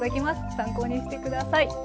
参考にして下さい。